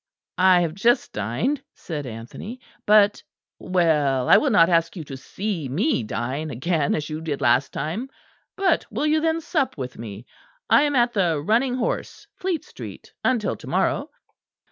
"I have just dined," said Anthony, "but " "Well, I will not ask you to see me dine again, as you did last time; but will you then sup with me? I am at the 'Running Horse,' Fleet Street, until to morrow."